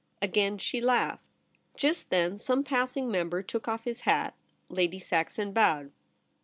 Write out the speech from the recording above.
Again she laughed. Just then some passing member took off his hat. Lady Saxon bowed.